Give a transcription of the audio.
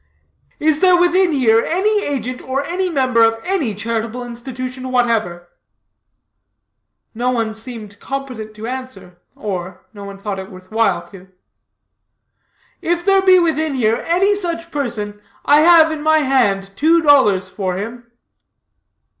"Is there within here any agent or any member of any charitable institution whatever?" No one seemed competent to answer, or, no one thought it worth while to. "If there be within here any such person, I have in my hand two dollars for him."